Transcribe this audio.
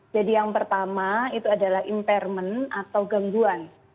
jadi yang pertama itu adalah impairment atau gangguan